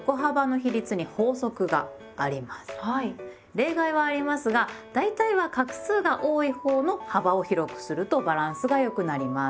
例外はありますが大体は画数が多いほうの幅を広くするとバランスが良くなります。